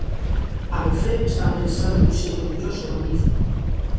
Abofé estaba pensada dun xeito orgulloso e magnífico.